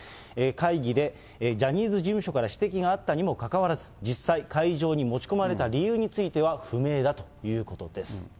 会議でジャニーズ事務所から指摘があったにもかかわらず、実際、会場に持ち込まれた理由については不明だということです。